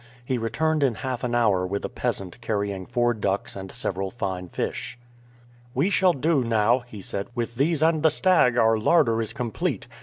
He returned in half an hour with a peasant carrying four ducks and several fine fish. "We shall do now," he said; "with these and the stag our larder is complete.